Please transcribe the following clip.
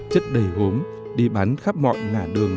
chất đầy gốm đi bán khắp mọi ngã đường